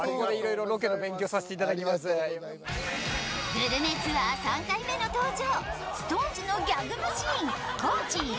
グルメツアー３回目の登場。